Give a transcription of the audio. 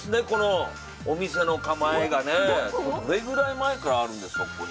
このお店の構えがねどれぐらい前からあるんですか？